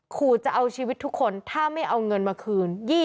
ขู่จะเอาชีวิตทุกคนถ้าไม่เอาเงินมาคืน